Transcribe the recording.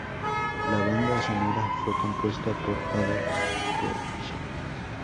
La banda sonora fue compuesta por Adolph Deutsch.